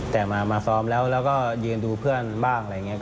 แต่มาซ้อมแล้วแล้วก็ยืนดูเพื่อนบ้าง